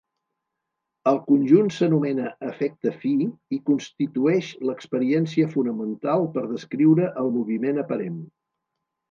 El conjunt s'anomena efecte fi i constitueix l'experiència fonamental per descriure el moviment aparent.